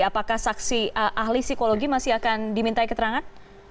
apakah saksi ahli psikologi masih akan dimintai keterangan